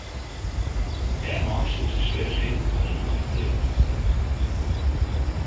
Dêrmei soest de swierrichheden allinne mar ferpleatse.